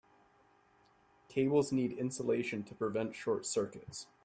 Cables need insulation to prevent short circuits.